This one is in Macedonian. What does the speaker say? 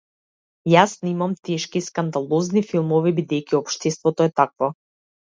Јас снимам тешки и скандалозни филмови бидејќи општеството е такво.